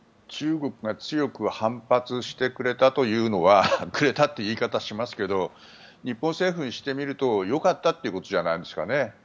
中国が強く反発してくれたというのはくれたという言い方をしますが日本政府にしてみるとよかったということなんじゃないですかね？